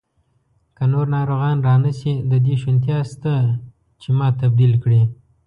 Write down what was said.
که نور ناروغان را نه شي، د دې شونتیا شته چې ما تبدیل کړي.